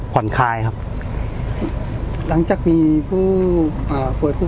พี่ชอบจริงบอกว่าชอบทุก